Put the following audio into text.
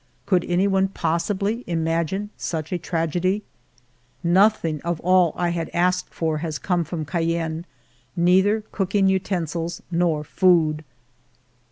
Could any one possibly imagine such a tragedy ?... Nothing of all I had asked for has come from Cayenne, neither cooking utensils nor food.